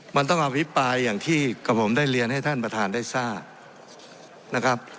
มันต้องอภิปรายอย่างที่กับผมได้เรียนให้ท่านประธานได้ทราบนะครับ